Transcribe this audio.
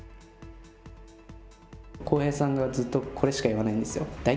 航平さんがずっとこれしか言わないんですよ。